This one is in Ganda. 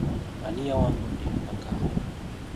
Ani yawangudde empaka?